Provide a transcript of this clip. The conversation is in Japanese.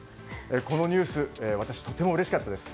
このニュース私とてもうれしかったです。